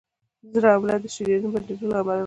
د زړه حمله د شریانونو بندېدو له امله راځي.